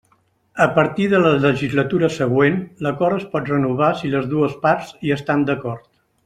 A partir de la legislatura següent, l'Acord es pot renovar si les dues parts hi estan d'acord.